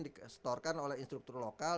diserahkan oleh instruktur lokal